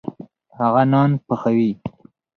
هغه نان پخوي.